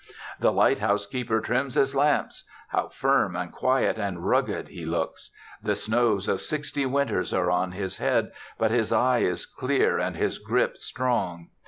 The lighthouse keeper trims his lamps. How firm and quiet and rugged he looks. The snows of sixty winters are on his head, but his eye is clear and his grip strong.